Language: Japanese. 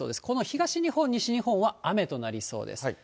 この東日本、西日本は雨となりそうです。